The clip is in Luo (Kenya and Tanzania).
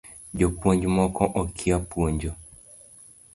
Jopuony moko okia puonjo